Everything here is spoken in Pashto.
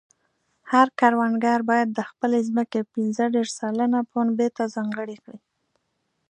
هر کروندګر باید د خپلې ځمکې پنځه دېرش سلنه پنبې ته ځانګړې کړي.